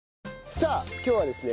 さあ今日はですね